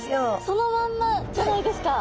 そのまんまじゃないですか。